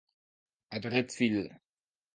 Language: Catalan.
A dret fil.